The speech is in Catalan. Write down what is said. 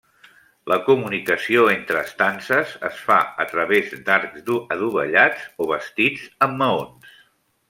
La comunicació entre estances es fa a través d'arcs adovellats o bastits amb maons.